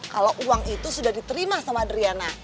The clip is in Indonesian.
kalau uang itu sudah diterima sama driana